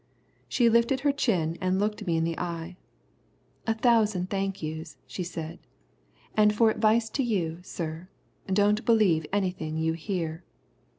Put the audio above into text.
She lifted her chin and looked me in the eye. "A thousand thank you's," she said, "and for advice to you, sir, don't believe anything you hear."